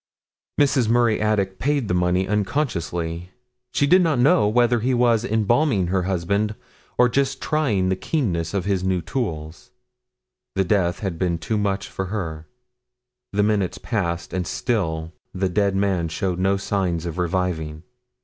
Mrs. Murray Attic paid the money unconsciously; she did not know whether he was embalming her husband or just trying the keenness of his new tools. The death had been too much for her. The minutes passed and still the dead man showed no signs of reviving.